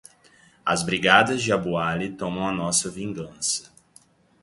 As brigadas de Abu Ali tomam a nossa vingança